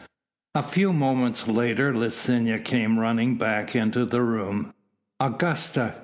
A few moments later Licinia came running back into the room. "Augusta!"